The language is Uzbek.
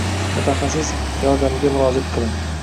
mutaxassis yordamiga murojaat qiling.